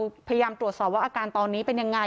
ทีมข่าวของเราพยายามตรวจสอบว่าอาการตอนนี้เป็นยังไง